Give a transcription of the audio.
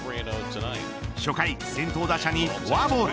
初回、先頭打者にフォアボール。